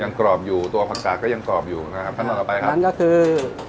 ยังกรอบอยู่ตัวผักกาก็ยังกรอบอยู่นะครับครับนันก็คือ